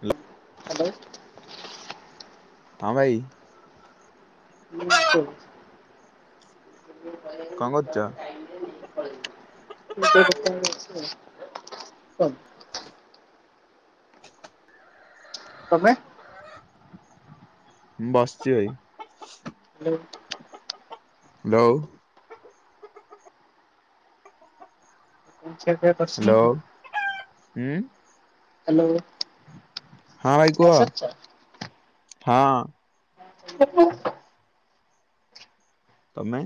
Hello. Hello. ହ ଭାଇ। ହୁଁ ତ କଣ କରୁଛ? [unintelligible] ହ ହଁ ତମେ? ମୁଁ ବସିଛି ଭାଇ। ହେଲା। ହେଲୋ। [unintelligible] ହ୍ୟାଲୋ [unintelligible] ହୁଁ। ହେଲୋ। ହଁ ଭାଇ କୁହ। ହଁ। ହୁଁ ହୁଁ। ତମେ?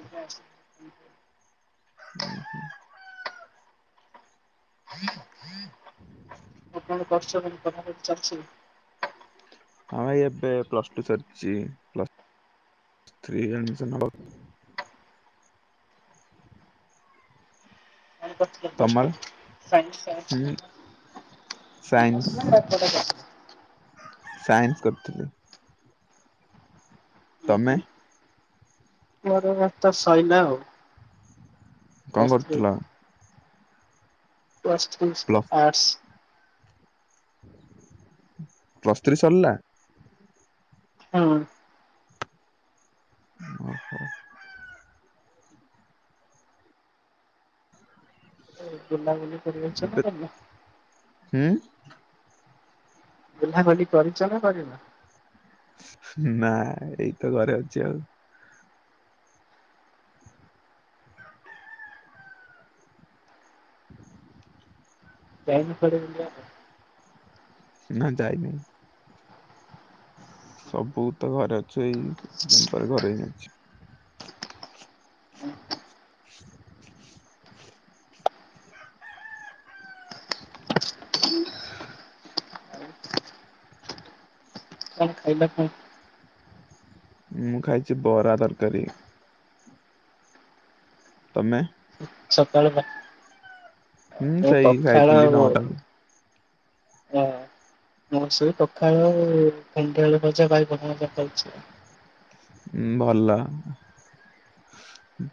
[inaudible] ହୁଁ ହୁଁ। ଆଉ କଣ କରୁଛ କାମ କଣ ଚାଲିଛି? ହଁ ଭାଇ ଏବେ ପ୍ଲସ ଟୁ ସରିଛି ପ୍ଲସ ଥ୍ରିରେ ଆଡ଼ମିଶନ ହବ। ତମର [unintelligible] ସାଇନ୍ସ ହୁଁ ଆର୍ଟ୍ସ ସାଇନ୍ସ କମର୍ସ [unintelligible] ସାଇନ୍ସ କରିଥିଲି। ଉଁ ତମେ। ହୁଁ ମୋର ବରତ ସଇଲା ଆଉ। କଣ ପ୍ଲସ ଥ୍ରୀ କରୁଥିଲ? Plus ପ୍ଲ [unintelligible] arts. ପ୍ଲସ ଥ୍ରୀ ସରିଲା। ହଁ। ଓହୋ। [unintelligible] [unintelligible] ନା କରି ଏବେ ନା। ହୁଁ ବୁଲା ହଲି କରିଛ ନା କରିିନା। ନା ଏଇ ତ ଘରେ ଅଛି ଆଉ। [inaudible] ଯାଇନ କୁଆଡେ ବୁଲିବାପାଇଁ। ନା ଯାଇନି। ସବୁ ତ ଘରେ ଅ ଛ ଏଇ [unintelligible] [inaudible] ଖାଇବା ପାଇଁ। ମୁଁ ଖାଇଛି ବରା ତରକାରୀ। ତମେ। ସକାଳ ବା ହୁଁ ମୁଁ ସେଇ ଖାଇଥିଲି ନ ଟାରେ। ଓହ ମୋର ସେଇ ପଖାଳ ଆଉ [unintelligible] ଆଳୁ ଭଜା, ବାଇଗଣ ଭର୍ତ୍ତା ଖାଉଛି ଆଉ। ଉମ ଭଲ,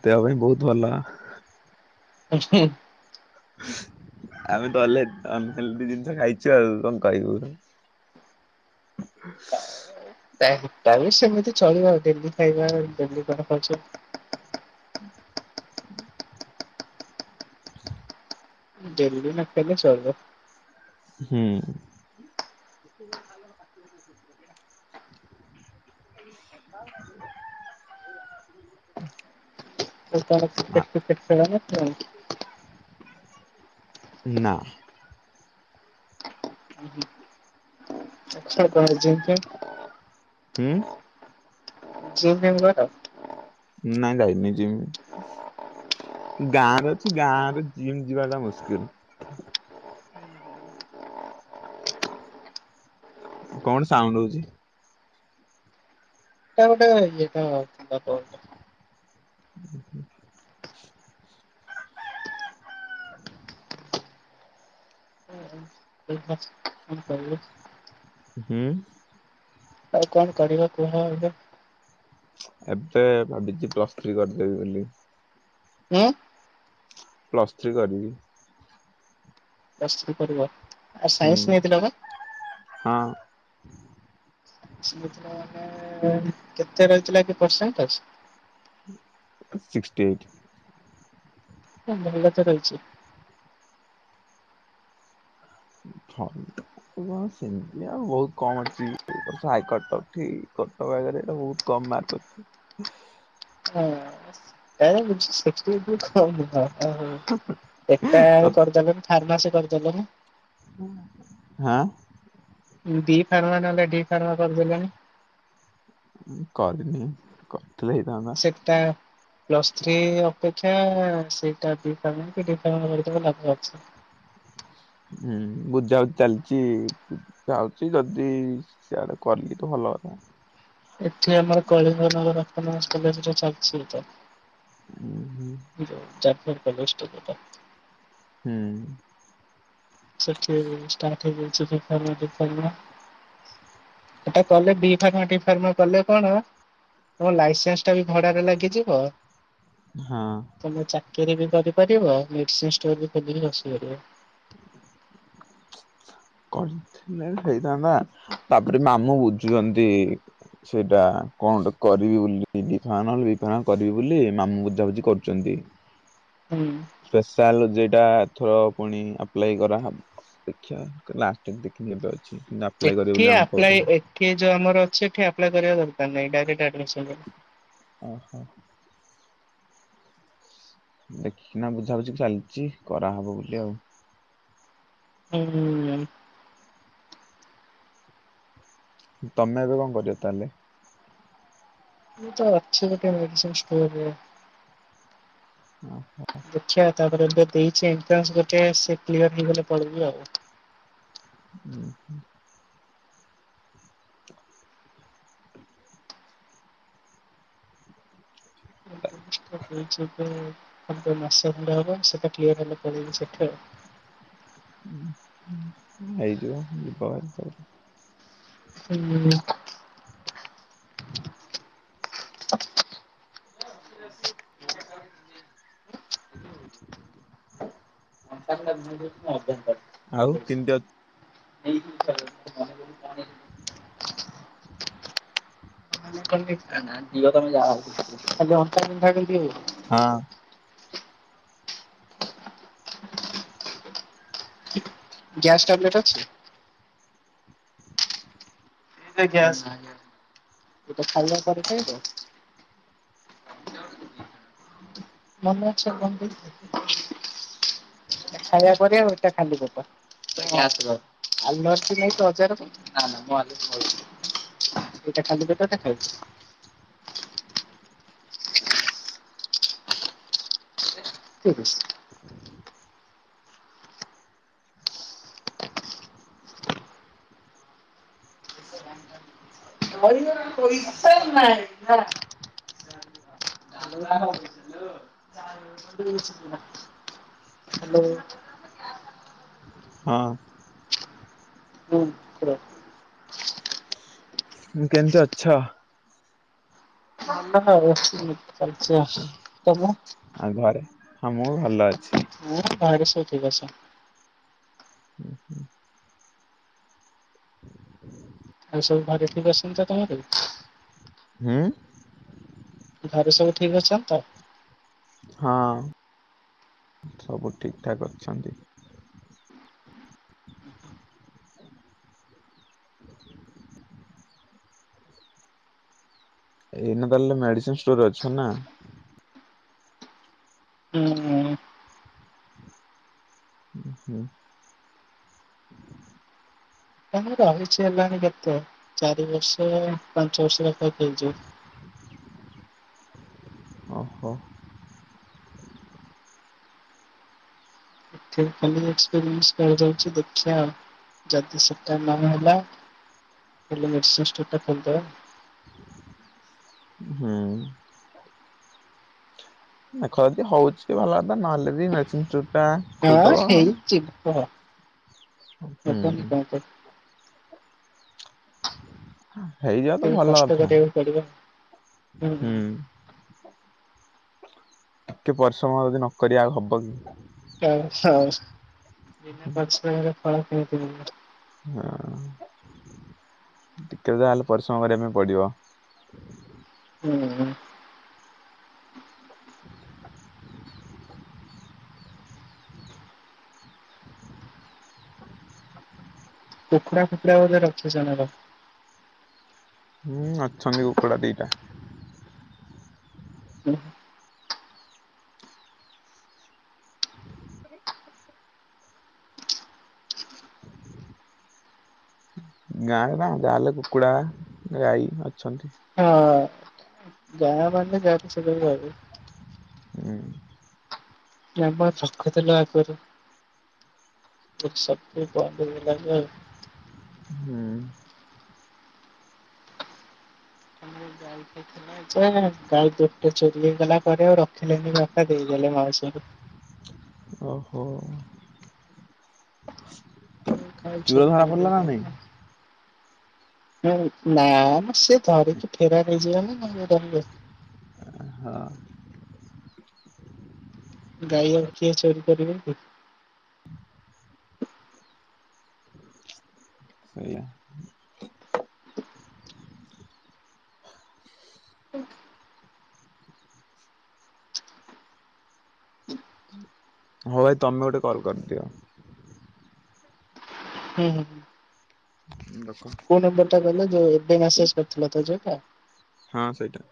ଦେହ ପାଇଁ ବହୁତ ଭଲ। ଉ ହୁଁ। ଆମେ ତ ହେଲେ ଆ ଏମିତି ଜିନିଷ ଖାଇଛୁ ଆଉ କଣ କରିବୁ? [unintelligible] ସେମିତି ଚଳିବ ଡେଲି ଖାଇବା ଡେଲି କର ଖର୍ଚ୍ଚ ହୁଁ। ଡେଲି ନଖାଇଲେ ଚଳିବ। ହୁଁ। ତାର ଆ କ୍ରିକେଟ କ୍ରିକେଟ ଖେଳ ନା [unintelligible] ନା। ଆଚ୍ଛା ତାହେଲେ [unintelligible] ହୁଁ। ଜିମ ଫିମ୍ ହୁଏ ତ। ନାଇଁ ଯାଇନି ଜିମ ଗାଁରେ ଅଛି ଗାଁରେ ଜିମ୍ ଯିବା ଟା ମୁସ୍କିଲ। କଣ ସାଉଣ୍ଡ ହଉଛି? ଏଟା ଗୋଟେ ଇଏଟା ବାପ। ହ। ହ [unintelligible] ହଁ କ [unintelligible] ହୁଁ ଆଉ କଣ କରିବା କୁହ ଏବେ। ଏବେ ଭାବିଛି ପ୍ଲସ୍ ଥ୍ରୀ କରିଦେବି ବୋଲି। ହୁଁ। ପ୍ଲସ୍ ଥ୍ରୀ କରିବି। ପ୍ଲସ୍ ଥ୍ରି କରିବ। ଆ ହୁଁ ସାଇନ୍ସ ନେଇଥିଲ ପା? ହଁ। ମାନେ କେତେ ରହିଥିଲା କି ପରସେଣ୍ଟତେଜ। Sixty eight. ଭଲ ତ ରହିଛି। ସେମିତି ଆ ବହୁତ କମ ଅଛି କଟକ କଟକରେ ବହୁ କମ୍ ମାର୍କ ଅଛି। କାଇଁଛି [unintelligible] ଏଟା ଆ କରିଦବେନ ଫାର୍ମାସ କରିଦ। ଦେଲେନି। ହଁ। ଡି ଫାର୍ମା ନହଲେ ଡି ଫାର୍ମା କରିଦେଲେଣି। କରିନି। କର୍ ଥିଲେ ହେଇଥାନ୍ତା। ପ୍ଲସ ଥ୍ରି ଅପେକ୍ଷା ସେଇଟାବି ଫାର୍ମ ବି ଫାର୍ମ ଦେବାକୁ ହେଲେ ଲାଭ ଅଛି। ହୁଁ ବୁଝା ବୁଝି ଚାଲିଛି ଚାଳଚି ଯଦି ସିଆଡେ କଲି ତ ଭଲ କଥା। ଏଠି ଆମର କଳିଙ୍ଗ ନଗର ଅଟୋନମସ କଲେଜରେ ଚାଲିଛି ଏଟା। ହୁଁ ଯା ପା ଏନୋଷ୍ଟା କଥା। [inaudible] ହୁଁ ସେଠି ଷ୍ଟାଟ ହେଇଯାଇଚି ବିଫାର୍ମ ଡିଫାର୍ମ ଏଟା କଲେ ବିଫାର୍ମ ଡିଫାର୍ମ କଲେ କଣ ତମ ଲାଇସେନ୍ସଟା ବି ଭଡ଼ାରେ ଲାଗିଯିବ। ହଁ ତମେ ଚାକିରି ବି କରି କରିହେବ ମେଡିସିନଷ୍ଟୋର ରେ ବି ବସିପାରିବ। କରିଥିଲେ ହେଇଥାନ୍ତା ତାପରେ ମାମୁଁ ବୁଝୁଛନ୍ତି ସେଇଟା କଣ କରିବି ବୋଲି ବିଫ ବିଫାନ କରିବି ବୋଲି ମାମୁଁ ବୁଝାବୁଝି କରୁଛନ୍ତି। ହୁଁ। ସ୍ପେଶାଲ ଯୋଉଟାଏଥର ପୁଣି ଆପ୍ଲାଇ କରାହବ ଦେଖିବା ଲାଷ୍ଟରେ ଦେଖିକି ଏଠି ଆପ୍ଲାଇ ଏଠି ଯୋଉ ଆମର ଅଛି ଏଠି ଆପ୍ଲାଏ କରିବା ଦରକାର ତମେ ଏକାକୀ [inaudible] ଓହୋ ଦେଖିକିନା ବୁଝାବୁଝି ଚାଲିଛି କରାହବ ବୋଲି ଆଉ ହୁଁ ହୁଁ ତମେ ଏବେ କଣକରିବ ତାହେଲେ ମୁଁ ତ ଅଛିଗୋଟେ ମେଡ଼ିସିନଷ୍ଟୋରରେ ହଁ। ଦେଖିବା ତାପରେ ଦେଇଛି ଏଟ୍ରାନ୍ସ ଗୋଟେ ସେ କ୍ଲିଅର ହେଇଗଲେ ପଳେଇବି ଆଉ ମାସେଖଣ୍ଢେ ହବ ସେଟା କ୍ଲିଅର ହେଲେ ପଳେଇବି ସେଠି ଆଉ ହେଇଯିବ ଯିବା ହୁଁ [inaudible] [unintelligible] ଆଉ କେମିତି ଅଛ ନା ଦିଅ ତମେ ଯାହା ହେଉଛି ଖାଲି ଅଣ୍ଟା ବିନ୍ଧା ବିନ୍ଧି ହଉଛି। ହଁ। ଗ୍ୟାସ ଟ୍ୟାବଲେଟ ଅଛି। ଏଇଟା ଗ୍ୟାସ ଏଇଟା ଖାଇବା ପରେଖାଇବ ମାନେ ଅଛି ଏଟା ଖାଇବା ପରେ ଆଉ ଏଟା ଖାଲିପେଟରେ ଗ୍ୟାସ ପାଇଁ ଆଲାର୍ଜି ନାହିଁ ତ ଅଜାର ନାଇଁ ନାଇଁ [unintelligible] ଏଇଟା ଖାଲିପେଟ ଏଇଟା ଖାଇବା ଠିକ ଅଛି। ସାର ନାହିଁ ନା ହାଲୋ ହଁ। ହଁ। କେମିତି ଅଛ। ଭଲ ହଉଛି। ଆଛା ତମେ ଆଉ ଘରେ ହଁ ମୁଁ ଭଲ ଅଛି। ହଁ ଘରେ ଏଇଠି ବସ ହୁଁ ହୁଁ। ଆଉ ସବୁ ଘରେ ଠିକ ଅଛନ୍ତି ସମସ୍ତେ ତମର ହୁଁ। ଘରେ ସବୁ ଠିକ ଅଛନ୍ତିତ ହଁ ସବୁ ଠିକ ଠାକ ଅଛନ୍ତି। ଏଇନା ତାହେଲେ ମେଡିସିନଷ୍ଟୋର ଅଛନା ହୁଁ ହୁଁ। [inaudible] ତା ରହିଛି ହେଲାଣି କେତେ ଚାରି ବର୍ଷ ପାଞ୍ଚ ବର୍ଷ। ପଠେଇଚି ଓହୋ। [unintelligible] ଯାଉଛି [inaudible] ଦେଖିବା ଆଉ। ଯଦି ସେଟା ନା ହେଲା ହେଲେ ନିଶିଷ୍ଟାଦ [unintelligible] ହୁଁ। ଦେଖ ଯଦି ହଉଛି ଭଲ କଥା ନହେଲେ ବି ମେଡିସିନୀ ଚୁ ହଁ ସେଇ ଚିକ [unintelligible] ହେଇଯିବ ତ ଟିକେ ଭଲ କଷ୍ଟ କଥା କରିବାକୁ ପଡିବ ଆ ହୁଁ। ଟିକେ ପରିଶ୍ରମ ଯଦି ନକରିବା ଆଉ ହବକି। [unintelligible] [unintelligible] ହଁ ଟିକେ ଯାହେଲେ ପରିଶ୍ରମ କରିବା ପାଇଁ ପଡିବ। ହୁଁ। [inaudible] କୁକୁଡ଼ା ଫୁକୁଡ଼ା ବୋଧେ ରଖିଛ ନା କଣ। ହୁଁ ଅଛନ୍ତି କୁକୁଡ଼ା ଦିଟା। ଉଁହୁଁ। ଗାଁରେ ନା ଯାହାହେଲେ କୁକୁଡା ଗାଈ ଅଛନ୍ତି। ଯାହା ମାନେ [inaudible] ହୁଁ। [inaudible] [inaudible] ହୁଁ ଆମର ଗାଈ ଟେ କିଏ ନଚୋରି ହେଇଗଲା ପରେ ଆଉ ରଖିଲେନି ବାପା ଦେଇଦେଲେ ମାଉସୀଙ୍କୁ। ଓହୋ। ଚୁର ଧରା ପଡିଲା ନା ନାଇଁ? [unintelligible] ହୁଁ ନାଆ ମ ସେ ଧରିକି ଫେରାର ହୋଇଯାବେ [inaudible] ହଁ ଗାଈ ଆଉ କିିଏ ଚୋରି କରିବେ କି। ସେୟା ହଁ ଭାଇ ତମେ ଗୋଟେ କଲ କରିଦିଅ। ହୁଁ ହୁଁ। [inaudible] କୋଉ ନମ୍ବର ଟା ହେଲେ ଯୋଉ ଏବେ ମ୍ୟାସେଜ କରିଥିଲ ତ ଯୋଉଟା। ହଁ ସେଇଟା।